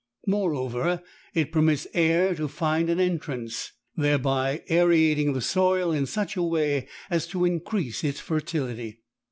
Moreover, it permits air to find an entrance, thereby aerating the soil in such a way as to increase its fertility.